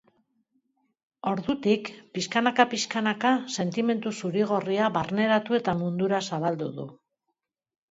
Ordutik pixkanaka-pixkanaka sentimendu zuri-gorria barneratu eta mundura zabaldu du.